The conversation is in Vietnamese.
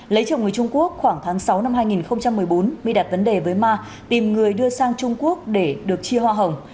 lấy chồng người trung quốc khoảng tháng sáu năm hai nghìn một mươi bốn my đặt vấn đề với ma tìm người đưa sang trung quốc để được chia hoa hồng